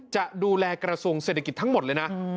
จะดูแลกระทรวงเศรษฐกิจทั้งหมดเลยนะ